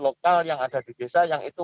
lokal yang ada di desa yang itu